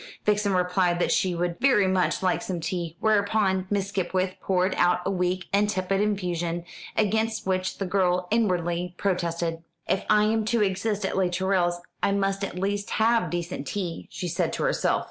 Vixen replied that she would very much like some tea, whereupon Miss Skipwith poured out a weak and tepid infusion, against which the girl inwardly protested. "If I am to exist at Les Tourelles, I must at least have decent tea," she said to herself.